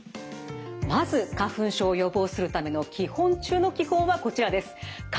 まず花粉症を予防するための基本中の基本はこちらです。